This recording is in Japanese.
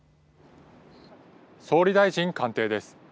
総理大臣官邸です。